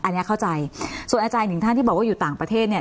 อันนี้เข้าใจส่วนอาจารย์หนึ่งท่านที่บอกว่าอยู่ต่างประเทศเนี่ย